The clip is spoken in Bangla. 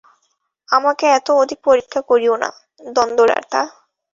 আমাকে এত অধিক পরীক্ষা করিয়ো না, দণ্ডদাতা।